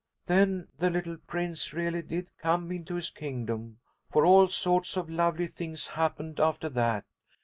"Then the little prince really did come into his kingdom, for all sorts of lovely things happened after that.